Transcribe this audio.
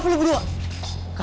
tantangan buat dia